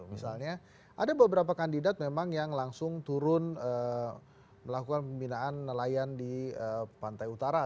misalnya ada beberapa kandidat memang yang langsung turun melakukan pembinaan nelayan di pantai utara